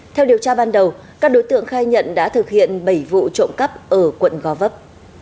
theo điều tra ban đầu các đối tượng khai nhận đã thực hiện bảy vụ trộm cắp ở quận gò vấp